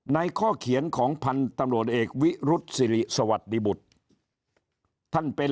ข้อเขียนของพันธุ์ตำรวจเอกวิรุษศิริสวัสดิบุตรท่านเป็น